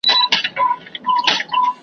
حبیبي داسې معیاري تحقیقات وړاندې کړل